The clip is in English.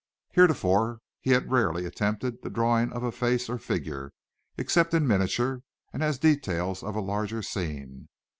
Heretofore he had rarely attempted the drawing of a face or figure except in miniature and as details of a larger scene.